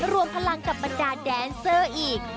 รวมพลังกับบรรดาแดนเซอร์อีก